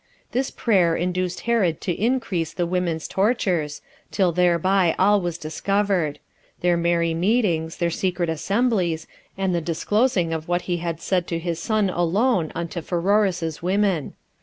This prayer induced Herod to increase the women's tortures, till thereby all was discovered; their merry meetings, their secret assemblies, and the disclosing of what he had said to his son alone unto Pheroras's 4 women.